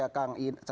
udah dapet udah dapet